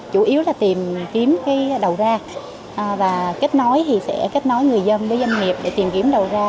chủ yếu là tìm kiếm đầu ra kết nối người dân với doanh nghiệp để tìm kiếm đầu ra